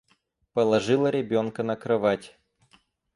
Положила ребенка на кровать.